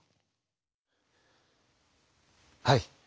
はい。